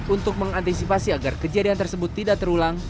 untuk mengantisipasi agar kejadian tersebut tidak terulang